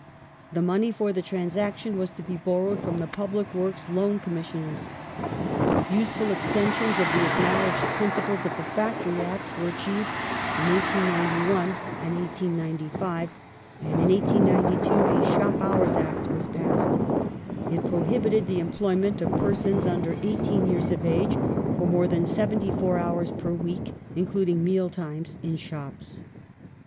The money for the transaction was to be borrowed from the Public Works Loan Commissioners. Useful extensions of the acknowledged principles of the Factory Acts were achieved in 1891 and 1895, and in 1892 a Shop Hours Act was passed. It prohibited the employment of persons under eighteen years of age for more than seventy four hours per week, including meal times, in shops.